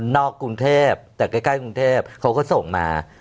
กรุงเทพแต่ใกล้กรุงเทพเขาก็ส่งมา